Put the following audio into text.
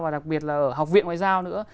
và đặc biệt là ở học viện ngoại giao nữa